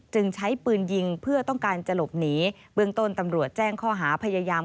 ใช้ปืนยิงเพื่อต้องการจะหลบหนีเบื้องต้นตำรวจแจ้งข้อหาพยายาม